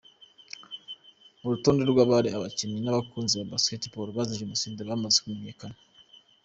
Urutonde rw’abari abakinnyi n’abakunzi ba Basketball bazize Jenoside bamaze kumenyekana:.